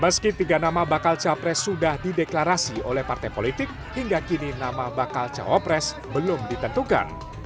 meski tiga nama bakal capres sudah dideklarasi oleh partai politik hingga kini nama bakal cawapres belum ditentukan